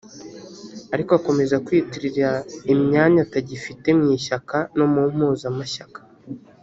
Ariko akomeza kwiyitirira imyanya atagifite mu ishyaka no mu mpuzamashyaka